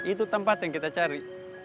itu tempat yang kita cari